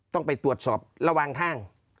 ต้องไปตรวจสอบระหว่างทาง